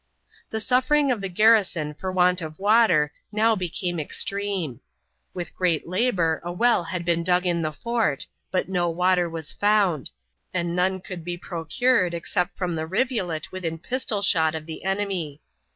The suffering of the garrison for want of water now became extreme. With great labor a well had been dug in the fort, but no water was found, and none could be procured except from the rivulet within pistol shot of the enemy.